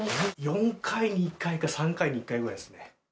４回に１回か、３回に１回ぐらいですね。